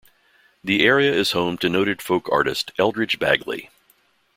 The area is home to noted folk artist Eldridge Bagley.